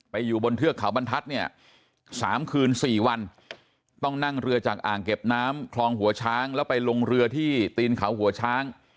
อยู่บนเทือกเขาบรรทัศน์เนี่ย๓คืน๔วันต้องนั่งเรือจากอ่างเก็บน้ำคลองหัวช้างแล้วไปลงเรือที่ตีนเขาหัวช้าง